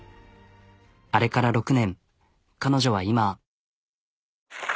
あれから６年彼女は今。